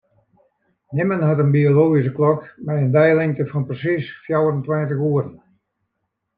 Nimmen hat in biologyske klok mei in deilingte fan persiis fjouwerentweintich oeren.